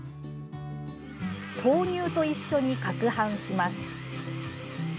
豆乳と一緒にかくはんします。